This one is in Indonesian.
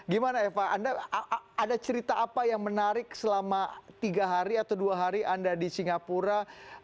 gimana eva anda ada cerita apa yang menarik selama tiga hari atau dua hari anda di singapura